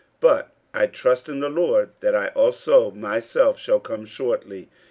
50:002:024 But I trust in the Lord that I also myself shall come shortly.